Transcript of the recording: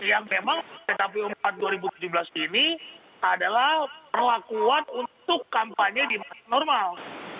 yang memang pkpu empat dua ribu tujuh belas ini adalah perlakuan untuk kampanye di masa normal